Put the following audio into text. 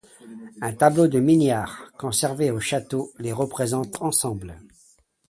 Un tableau de Mignard, conservé au château, les représente ensemble.